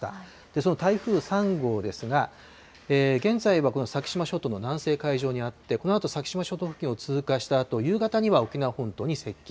その台風３号ですが、現在はこの先島諸島の南西海上にあって、このあと先島諸島付近を通過したあと、夕方には沖縄本島に接近。